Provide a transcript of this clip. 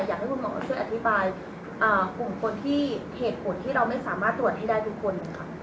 อยากให้คุณหมอช่วยอธิบายกลุ่มคนที่เหตุผลที่เราไม่สามารถตรวจหนี้ได้ทุกคนค่ะ